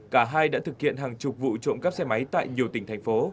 cả hai đã thực hiện hàng chục vụ trộm cắp xe máy tại nhiều tỉnh thành phố